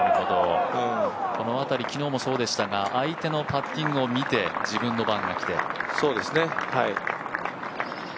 この辺り、昨日もそうでしたが相手のパッティングを見て、自分の番が来て。